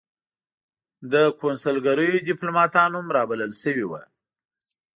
د کنسلګریو دیپلوماتان هم را بلل شوي وو.